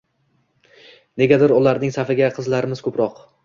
Negadir ularning safida qizlarimiz ko`proq